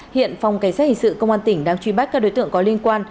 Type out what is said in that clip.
hiện phòng cảnh sát hình sự công an tỉnh đang truy bắt các đối tượng có liên quan